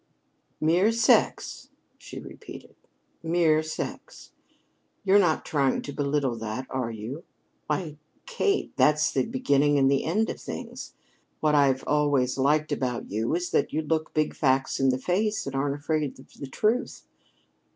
"Mere sex!" she repeated. "Mere sex! You're not trying to belittle that, are you? Why, Kate, that's the beginning and the end of things. What I've always liked about you is that you look big facts in the face and aren't afraid of truth.